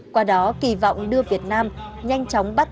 qua đó kỳ vọng đưa việt nam nhanh chóng bắt